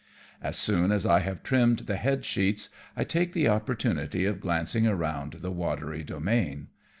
As soon as I have trimmed the headsheets, I take the opportunity of glancing around the watery domain.